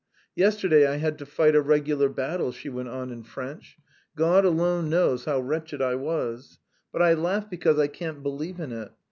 Yesterday I had to fight a regular battle," she went on in French. "God alone knows how wretched I was. But I laugh because I can't believe in it.